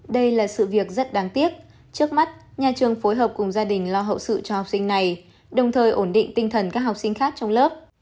đây là sự việc rất đáng tiếc trước mắt nhà trường phối hợp cùng gia đình lo hậu sự cho học sinh này đồng thời ổn định tinh thần các học sinh khác trong lớp